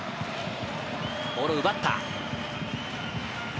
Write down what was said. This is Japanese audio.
ボールを奪った。